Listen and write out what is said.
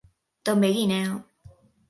També a Guinea.